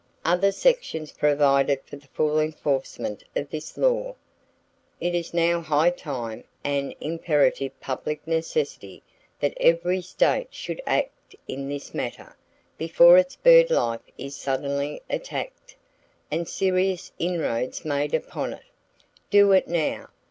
Other sections provide for the full enforcement of this law. It is now high time, and an imperative public necessity, that every state should act in this matter, before its bird life is suddenly attacked, and serious inroads made upon it. Do it NOW!